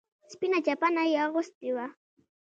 سپينه چپنه يې اغوستې وه.